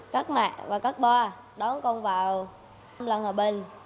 các mẹ và các bo đón con vào làng hòa bình